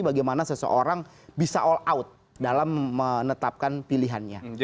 bagaimana seseorang bisa all out dalam menetapkan pilihannya